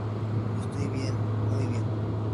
Estoy bien. Muy bien.